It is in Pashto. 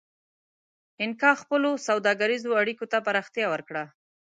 اینکا خپلو سوداګریزو اړیکو ته پراختیا ورکړه.